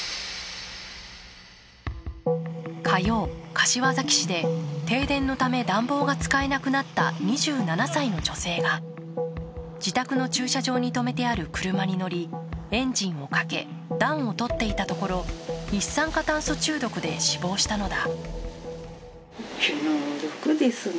火曜、柏崎市で停電のため暖房が使えなくなった２７歳の女性が自宅の駐車場に止めてある車に乗り、エンジンをかけ暖をとっていたところ、一酸化炭素中毒で死亡したのだ。